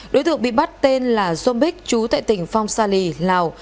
đối tượng bị bắt tên là sô bích chú tại tỉnh phong sa lì lào